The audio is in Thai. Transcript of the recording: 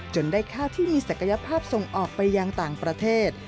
ได้ข้าวที่มีศักยภาพส่งออกไปยังต่างประเทศ